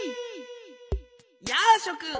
やあしょくん！